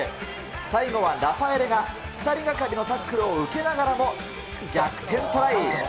最後はラファエレが２人がかりのタックルを受けながらも逆転トライ。